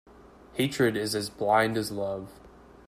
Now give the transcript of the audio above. Hatred is as blind as love.